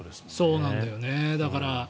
そうなんだよね。